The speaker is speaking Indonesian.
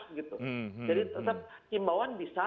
jadi tetap himbauan bisa